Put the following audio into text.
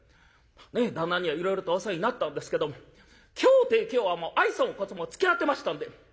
「まあね旦那にはいろいろとお世話になったんですけども今日てえ今日はもう愛想も小想も尽き果てましたんで。